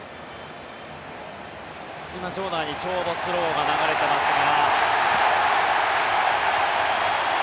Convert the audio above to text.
今、場内にちょうどスローが流れていますが。